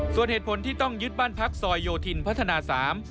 ส่วนเหตุผลที่ต้องยึดบ้านพักซอยโยธินพัฒนาสาม